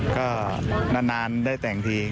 ก็นานได้แต่งที